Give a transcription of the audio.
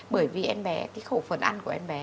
bởi vì em bé cái khẩu phần ăn của em bé